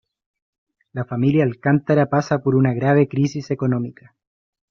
La familia Alcántara pasa por una grave crisis económica.